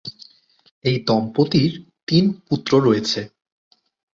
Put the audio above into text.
এই দম্পতির তিন পুত্র রয়েছে।